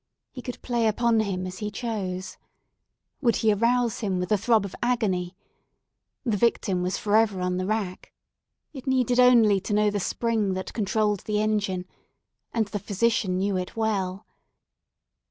He could play upon him as he chose. Would he arouse him with a throb of agony? The victim was for ever on the rack; it needed only to know the spring that controlled the engine: and the physician knew it well.